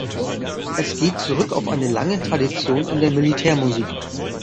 Es geht zurück auf eine lange Tradition in der Militärmusik.